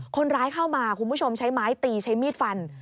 คนร้ายเข้ามาคุณผู้ชมใช้ไม้ตีใช้มีดฟัน